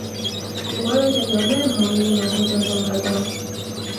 如果你哋有咩唔滿意我會再同佢講